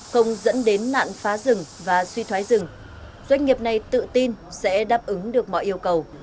không dẫn đến nạn phá rừng và suy thoái rừng doanh nghiệp này tự tin sẽ đáp ứng được mọi yêu cầu